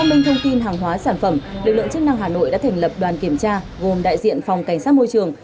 xác minh thông tin hàng hóa sản phẩm lực lượng chức năng hà nội đã thành lập đoàn kiểm tra gồm đại diện phòng cảnh sát môi trường